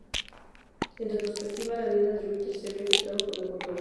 En retrospectiva, la vida de Richard se vio afectado por la controversia.